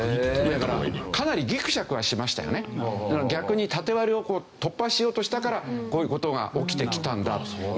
逆にタテ割りを突破しようとしたからこういう事が起きてきたんだと。